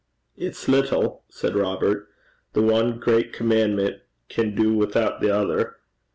'It's little,' said Robert, 'the one great commandment can do withoot the other.